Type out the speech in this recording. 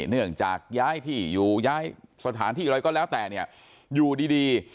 เนื่องจากย้ายที่อยู่ย้ายสถานที่อะไรก็แล้วแต่เนี่ยอยู่ดี